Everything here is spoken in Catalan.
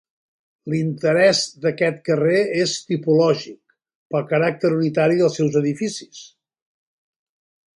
L'interès d'aquest carrer és tipològic, pel caràcter unitari dels seus edificis.